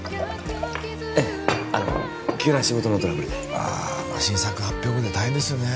ええあの急な仕事のトラブルでああ新作発表後で大変ですよね